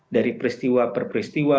dari peristiwa per peristiwa